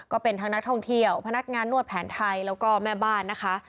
ก็เป็นทั้งนักท่องเที่ยวพนักงานนวดแผนไทยแล้วก็แม่บ้านนะคะ